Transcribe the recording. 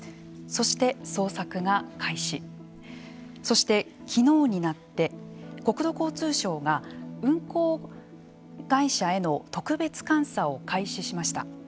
そして、きのうになって国土交通省が運航会社への特別監査を開始しました。